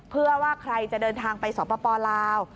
เพื่อว่าใครจะเดินทางไปสปลาว